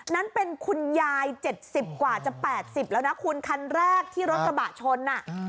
นั้นเป็นคุณยาย๗๐กว่าจะ๘๐แล้วนะคุณคันแรกที่รถกระบะชน